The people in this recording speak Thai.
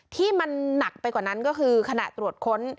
ที่มันหนักไปกว่านั้นก็คือขณะตรวจค้น